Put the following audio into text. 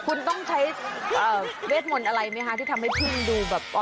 คุณต้องใช้เวทมนต์อะไรไหมคะที่ทำให้พึ่งดูแบบ